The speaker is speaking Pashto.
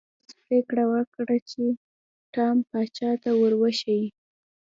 آشپز پریکړه وکړه چې ټام پاچا ته ور وښيي.